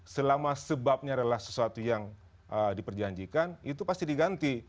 selama sebabnya adalah sesuatu yang diperjanjikan itu pasti diganti